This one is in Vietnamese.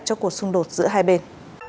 cho cuộc xung đột giữa hai bên